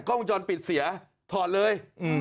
กล้องวงจรปิดเสียถอดเลย